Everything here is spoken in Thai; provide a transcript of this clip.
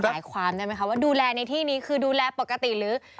หมายความได้ไหมคะว่าดูแลในที่นี้คือดูแลปกติหรือ